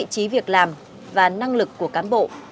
đó là những việc làm và năng lực của cán bộ